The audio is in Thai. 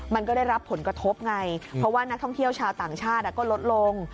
มันก็ได้รับผลกระทบไงเพราะว่านักท่องเที่ยวชาวต่างชาติก็ลดลง